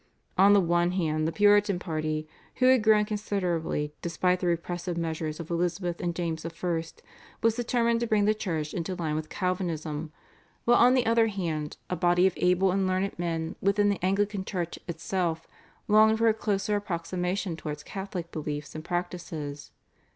On the one hand the Puritan party, who had grown considerably despite the repressive measures of Elizabeth and James I., was determined to bring the Church into line with Calvinism, while on the other hand a body of able and learned men within the Anglican Church itself longed for a closer approximation towards Catholic beliefs and practices.